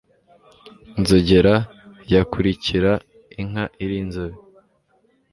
Nzogera yakurikira inka iri nzobe